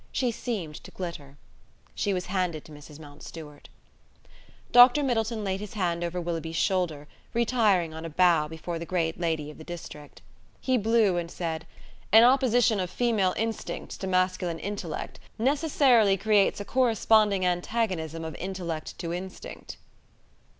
She seemed to glitter. She was handed to Mrs. Mountstuart. Dr Middleton laid his hand over Willoughby's shoulder, retiring on a bow before the great lady of the district. He blew and said: "An opposition of female instincts to masculine intellect necessarily creates a corresponding antagonism of intellect to instinct."